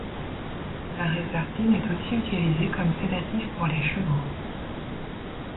La réserpine est aussi utilisée comme sédatif pour les chevaux.